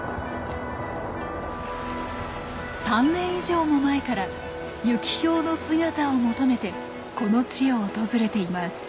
３年以上も前からユキヒョウの姿を求めてこの地を訪れています。